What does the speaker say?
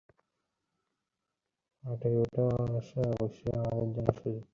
ইতিমধ্যে একদিন পথে দুর্গার সঙ্গে গোকুলের বউয়ের দেখা হইল।